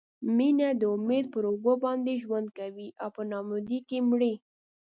مینه د امید پر اوږو باندې ژوند کوي او په نا امیدۍ کې مري.